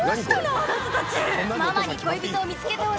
あなたたち！